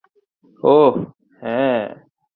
ওহ, হ্যাঁ।